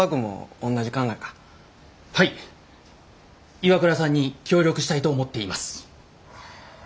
ＩＷＡＫＵＲＡさんに協力したいと思っています。